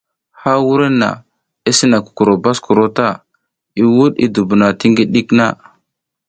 Ha wurenna i sina kukuro baskuro ta, i wuɗ i dubuna ti ngiɗik na.